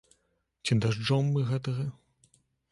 Ці дажджом мы гэтага?